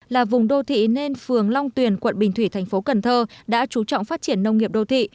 là vùng đô thị nên phường long tuyền quận bình thủy thành phố cần thơ đã chú trọng phát triển nông nghiệp đô thị